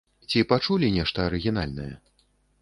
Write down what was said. Ці пачулі нешта арыгінальнае?